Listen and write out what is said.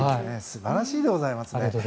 素晴らしいでございますね。